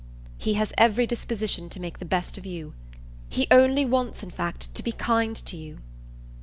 "He has every disposition to make the best of you. He only wants in fact to be kind to you."